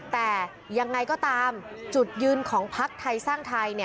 แต่ยังไงก็ตามจุดยืนของพักไทยสร้างไทย